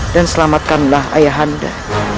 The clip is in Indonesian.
dan selamatkanlah ayah anda